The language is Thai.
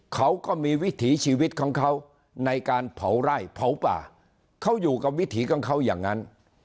เขาก็มีวิถีชีวิตของเขาในการเผาไร่เผาป่าเขาอยู่กับวิถีของเขาอย่างนั้น